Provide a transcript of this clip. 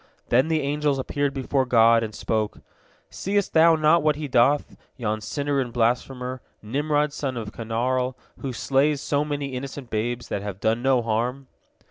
Then the angels appeared before God, and spoke, "Seest Thou not what he doth, yon sinner and blasphemer, Nimrod son of Canaarl, who slays so many innocent babes that have done no harm?"